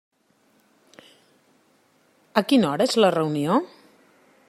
A quina hora és la reunió?